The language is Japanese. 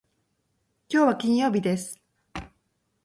きょうは金曜日です。